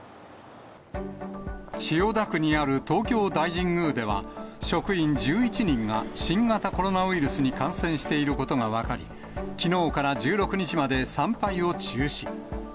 千代田区にある東京大神宮では、職員１１人が新型コロナウイルスに感染していることが分かり、きのうから１６日まで参拝を中止。